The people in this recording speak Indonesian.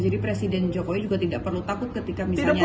jadi presiden jokowi juga tidak perlu takut ketika misalnya ada